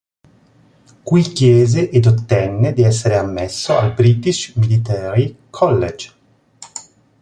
Qui chiese ed ottenne di essere ammesso al British Military College.